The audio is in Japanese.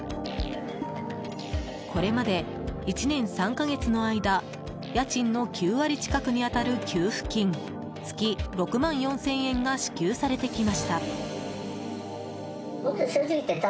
これまで１年３か月の間家賃の９割近くに当たる給付金月６万４０００円が支給されてきました。